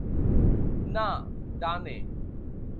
না, ডানে।